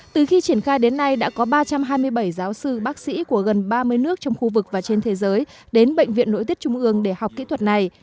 từ khi triển khai đến nay đã có ba trăm hai mươi bảy giáo sư bác sĩ của gần ba mươi nước trong khu vực và trên thế giới đến bệnh viện nội tiết trung ương để học kỹ thuật này